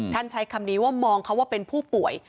ใช้คำนี้ว่ามองเขาว่าเป็นผู้ป่วย